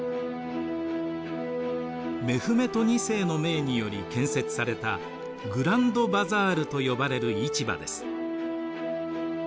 メフメト２世の命により建設されたグランドバザールと呼ばれる市場です。